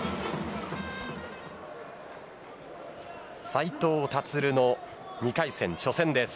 斉藤立の２回戦初戦です。